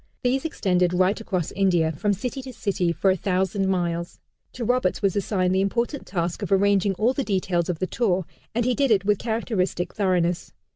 These extended right across India, from city to city, for a thousand miles. To Roberts was assigned the important task of arranging all the details of the tour, and he did it with characteristic thoroughness.